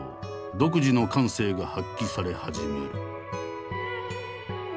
独自の感性が発揮され始める。